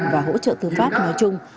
và hỗ trợ thương pháp nói chung